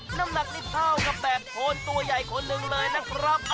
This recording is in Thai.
น้ำหนักนี่เท่ากับ๘โทนตัวใหญ่คนหนึ่งเลยนะครับ